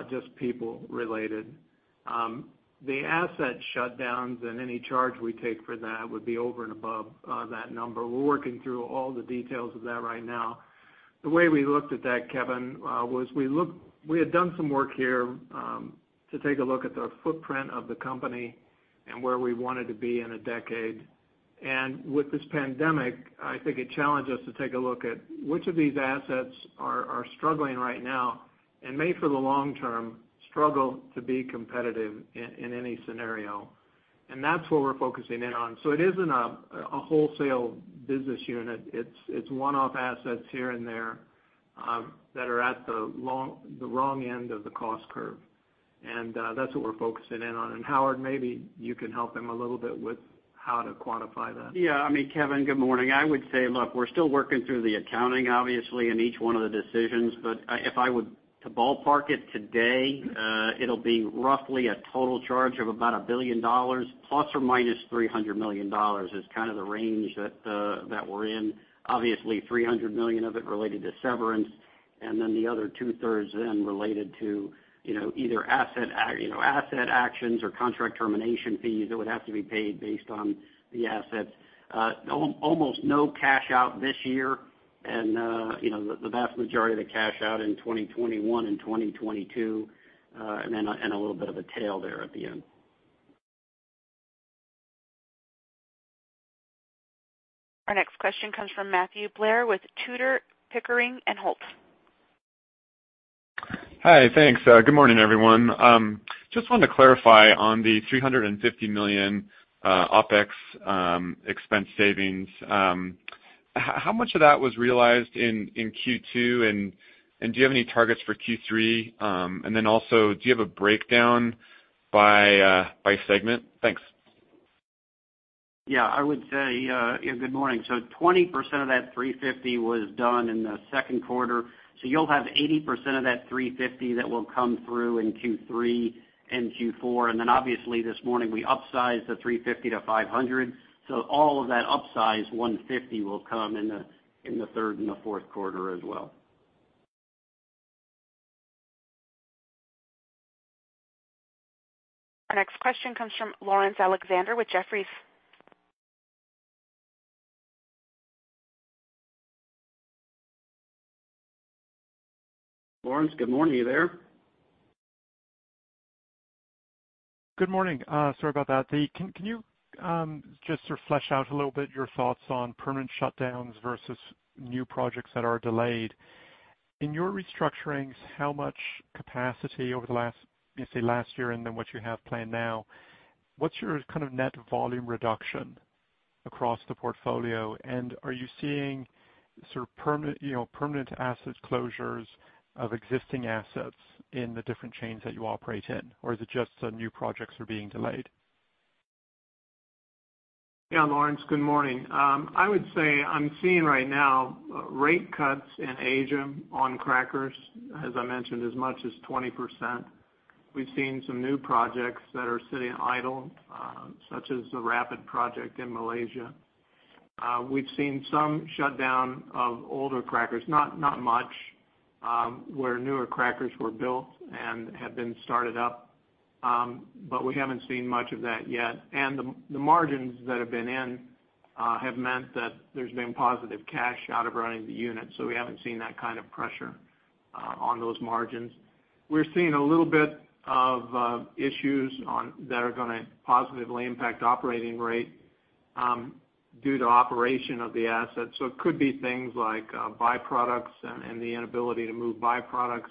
just people related. The asset shutdowns and any charge we take for that would be over and above that number. We're working through all the details of that right now. The way we looked at that, Kevin, was we had done some work here to take a look at the footprint of the company and where we wanted to be in a decade. With this pandemic, I think it challenged us to take a look at which of these assets are struggling right now and may, for the long term, struggle to be competitive in any scenario. That's what we're focusing in on. It isn't a wholesale business unit. It's one-off assets here and there that are at the wrong end of the cost curve. That's what we're focusing in on. Howard, maybe you can help him a little bit with how to quantify that. Yeah. Kevin, good morning. I would say, look, we're still working through the accounting, obviously, in each one of the decisions. If I were to ballpark it today, it'll be roughly a total charge of about $1 billion ±$300 million is kind of the range that we're in. Obviously, $300 million of it related to severance, and then the other 2/3 then related to either asset actions or contract termination fees that would have to be paid based on the assets. Almost no cash out this year. The vast majority of the cash out in 2021 and 2022, and a little bit of a tail there at the end. Our next question comes from Matthew Blair with Tudor, Pickering, Holt. Hi. Thanks. Good morning, everyone. Just wanted to clarify on the $350 million OpEx expense savings. How much of that was realized in Q2, and do you have any targets for Q3? Also, do you have a breakdown by segment? Thanks. Yeah, good morning. 20% of that $350 was done in the second quarter. You'll have 80% of that $350 that will come through in Q3 and Q4. Obviously this morning we upsized the $350-$500, so all of that upsize $150 will come in the third and the fourth quarter as well. Our next question comes from Laurence Alexander with Jefferies. Laurence, good morning. Are you there? Good morning. Sorry about that. Can you just sort of flesh out a little bit your thoughts on permanent shutdowns versus new projects that are delayed? In your restructurings, how much capacity over the last, say last year and then what you have planned now, what's your kind of net volume reduction across the portfolio? Are you seeing sort of permanent asset closures of existing assets in the different chains that you operate in? Is it just new projects are being delayed? Yeah, Laurence, good morning. I would say I'm seeing right now rate cuts in Asia on crackers, as I mentioned, as much as 20%. We've seen some new projects that are sitting idle, such as the RAPID project in Malaysia. We've seen some shutdown of older crackers. Not much, where newer crackers were built and have been started up. We haven't seen much of that yet. The margins that have been in have meant that there's been positive cash out of running the units. We haven't seen that kind of pressure on those margins. We're seeing a little bit of issues that are going to positively impact operating rate due to operation of the assets. It could be things like byproducts and the inability to move byproducts.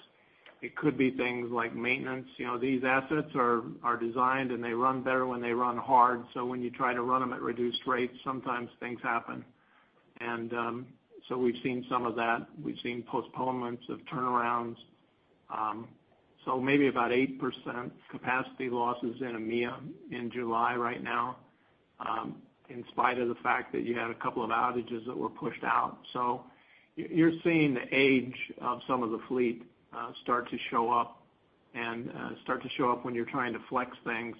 It could be things like maintenance. These assets are designed, and they run better when they run hard. When you try to run them at reduced rates, sometimes things happen. We've seen some of that. We've seen postponements of turnarounds. Maybe about 8% capacity losses in EMEA in July right now, in spite of the fact that you had a couple of outages that were pushed out. You're seeing the age of some of the fleet start to show up and start to show up when you're trying to flex things,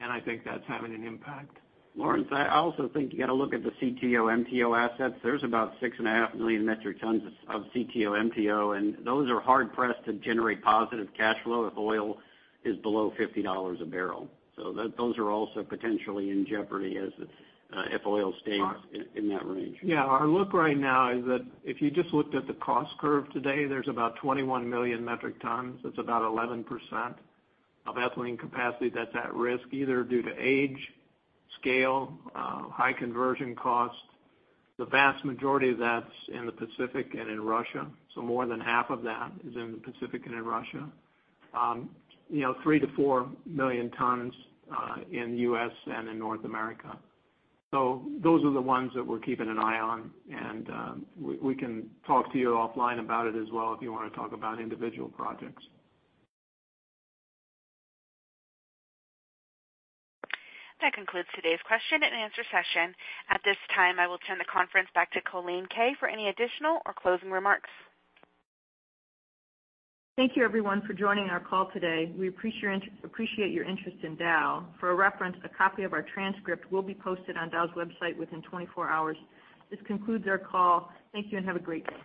and I think that's having an impact. Laurence, I also think you got to look at the CTO/MTO assets. There's about 6.5 million metric tons of CTO/MTO. Those are hard pressed to generate positive cash flow if oil is below $50 a barrel. Those are also potentially in jeopardy if oil stays in that range. Our look right now is that if you just looked at the cost curve today, there's about 21 million metric tons. That's about 11% of ethylene capacity that's at risk, either due to age, scale, high conversion cost. The vast majority of that's in the Pacific and in Russia. More than half of that is in the Pacific and in Russia. 3 million-4 million tons in U.S. and in North America. Those are the ones that we're keeping an eye on. We can talk to you offline about it as well if you want to talk about individual projects. That concludes today's question-and-answer session. At this time, I will turn the conference back to Colleen Kay for any additional or closing remarks. Thank you everyone for joining our call today. We appreciate your interest in Dow. For reference, a copy of our transcript will be posted on Dow's website within 24 hours. This concludes our call. Thank you and have a great day.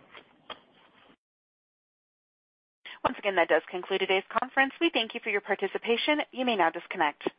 Once again, that does conclude today's conference. We thank you for your participation. You may now disconnect.